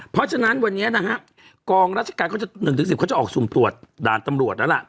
เพราะฉะนั้นวันนี้นะฮะกองราชการเขาจะ๑๑๐เขาจะออกสุ่มตรวจด่านตำรวจแล้วล่ะ